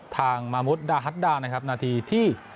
ทางมามุดดาฮัตดานะครับนาทีที่